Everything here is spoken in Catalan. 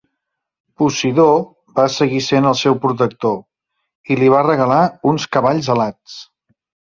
Posidó va seguir sent el seu protector i li va regalar uns cavalls alats.